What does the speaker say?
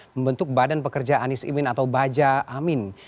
membentuk badan pekerja anies imin atau baja amin